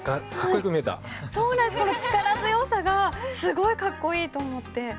この力強さがすごいかっこいいと思って。